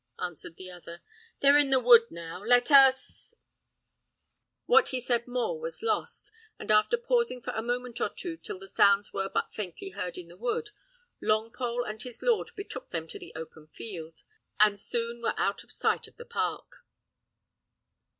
answered the other. "They're in the wood now. Let us " What he said more was lost, and after pausing for a moment or two till the sounds were but faintly heard in the wood, Longpole and his lord betook them to the open field, and soon were out of sight of the park.